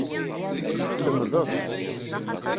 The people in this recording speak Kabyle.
Tlemdeḍ.